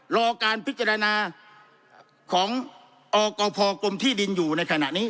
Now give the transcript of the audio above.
รอการพิจารณาของอกพกรมที่ดินอยู่ในขณะนี้